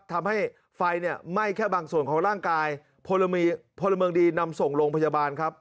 ทำให้ไฟเนี่ยไหม้แค่บางส่วนของร่างกายพลเมืองดีนำส่งโรงพยาบาลครับ